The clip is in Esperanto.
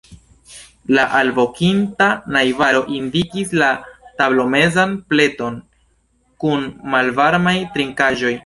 La alvokinta najbaro indikis la tablomezan pleton kun malvarmaj trinkaĵoj.